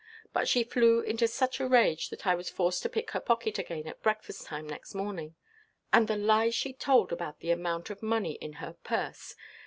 But she flew into such a rage that I was forced to pick her pocket again at breakfast–time next morning. And the lies she told about the amount of money in her purse!